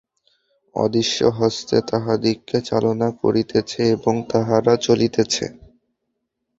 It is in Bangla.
অদৃশ্য হস্তে তাহাদিগকে চালনা করিতেছে এবং তাহারা চলিতেছে।